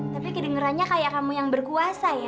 tapi kedengerannya kayak kamu yang berkuasa ya